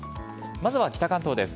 まずは北関東です。